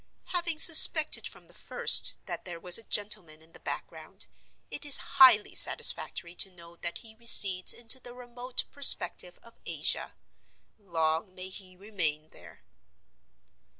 Having suspected from the first that there was a gentleman in the background, it is highly satisfactory to know that he recedes into the remote perspective of Asia. Long may he remain there!